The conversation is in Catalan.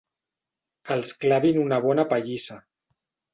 Els clavin una bona pallissa.